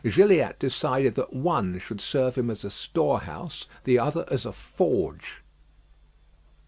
Gilliatt decided that one should serve him as a storehouse, the other as a forge.